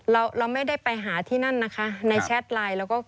เราไม่ได้ไปหาที่นั่นนะคะในแชทไลน์